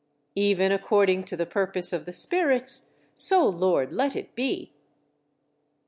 '" "Even according to the purpose of the spirits, so, Lord, let it be!"